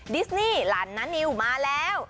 ดิสนี่หลานนานิวมาแล้ว